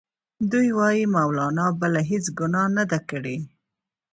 دوی وايي مولنا بله هیڅ ګناه نه ده کړې.